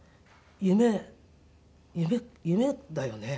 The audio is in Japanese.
夢夢だよね。